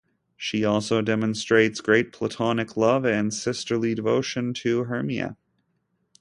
She also demonstrates great platonic love and sisterly devotion to Hermia.